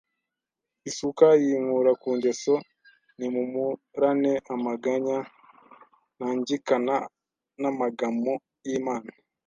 Isuka yinkura ku ngeso Nimumurane! Amaganya ntangikana n’amagamo y’Imana